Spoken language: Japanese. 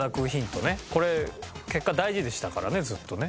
これ結果大事でしたからねずっとね。